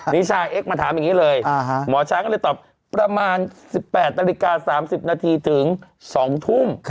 นิชาเอ็กซมาถามอย่างนี้เลยหมอช้างก็เลยตอบประมาณ๑๘นาฬิกา๓๐นาทีถึง๒ทุ่ม